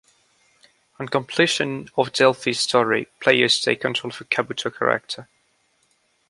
On completion of Delphi's story, players take control of a Kabuto character.